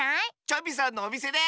チョビさんのおみせで！